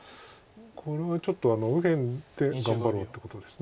これはちょっと右辺で頑張ろうってことです。